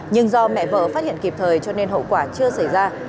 nhưng do mẹ vợ phát hiện kịp thời cho nên hậu quả chưa xảy ra